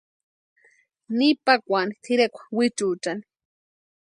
Ni pakwani tʼireka wichuuchani.